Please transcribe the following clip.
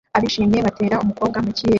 Abishimye batera umukobwa mukirere